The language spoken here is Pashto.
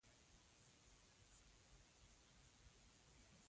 هغه خپله وظیفه سرته رسولې.